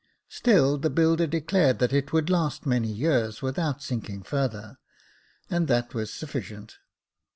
Still the builder declared that it would last many years without sinking further, and that was sufficient.